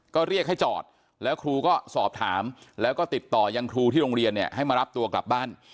ก็เรียกให้จอดแล้วครูก็สอบถามแล้วก็ติดต่อยังครูที่โรงเรียนเนี่ยให้มารับตัวกลับบ้าน